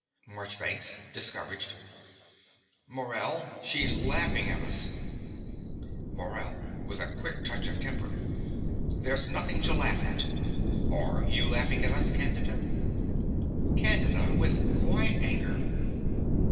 MARCHBANKS (discouraged). Morell: she's laughing at us. MORELL (with a quick touch of temper). There is nothing to laugh at. Are you laughing at us, Candida? CANDIDA (with quiet anger).